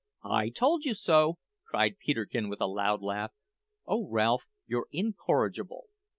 "I told you so!" cried Peterkin with a loud laugh. "Oh Ralph, you're incorrigible!